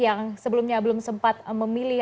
yang sebelumnya belum sempat memilih